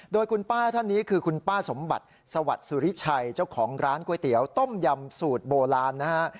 โดยคุณป้าท่านนี้คือคุณป้าสมบัติสวัสดิ์สุริชัยเจ้าของร้านก๋วยเตี๋ยวต้มยำสูตรโบราณนะฮะ